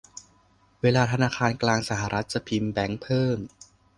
เวลาธนาคารกลางสหรัฐจะพิมพ์แบงก์เพิ่ม